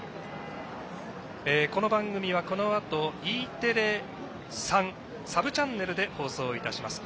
この番組はこのあとＥテレ３サブチャンネルで放送いたします。